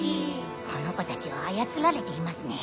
この子たちは操られていますね。